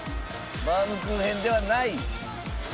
バウムクーヘンではない。